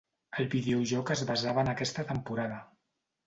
El videojoc es basava en aquesta temporada.